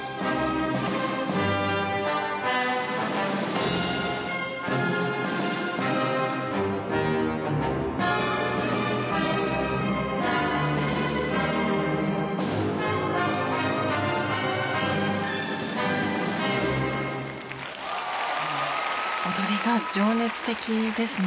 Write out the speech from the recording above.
次は踊りが情熱的ですね。